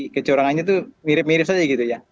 kecurangannya itu mirip mirip saja gitu ya